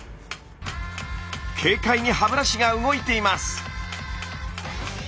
軽快に歯ブラシが動いています。